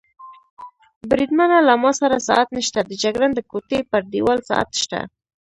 بریدمنه، له ما سره ساعت نشته، د جګړن د کوټې پر دېوال ساعت شته.